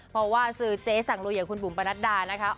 เพราะว่าซื้อเจ๊สั่งลุยอย่างคุณบุ๋มประนัดดานะคะ